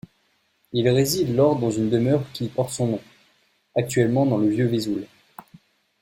Il réside lors dans une demeure qui porte son nom, actuellement dans le Vieux-Vesoul.